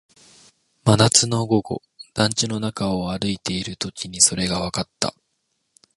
真夏の午後、団地の中を歩いているときにそれがわかった